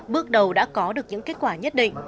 bước đầu đã có được những kết quả nhất định